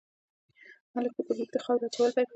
خلکو په کوهي کې د خاورو اچول پیل کړل.